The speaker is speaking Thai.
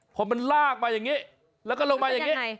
พอมันลากมาอย่างนี้แล้วก็ลงมาอย่างนี้